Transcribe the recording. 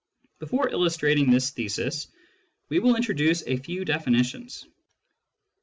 Before illustrating this thesis, we will introduce a few definitions.